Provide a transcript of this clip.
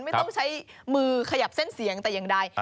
ไม่ต้องใช้มือขยับเส้นเสียงแต่อย่างใด